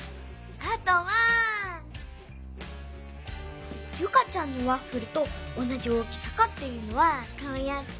あとはユカちゃんのワッフルとおなじ大きさかっていうのはこうやって。